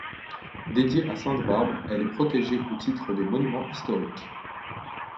Dédiée à sainte Barbe, elle est protégée au titre des monuments historiques.